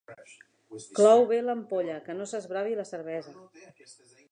Clou bé l'ampolla, que no s'esbravi la cervesa.